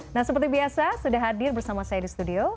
nah seperti biasa sudah hadir bersama saya di studio